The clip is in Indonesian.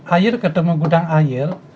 air ketemu gudang air